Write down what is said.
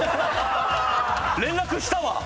連絡したわ！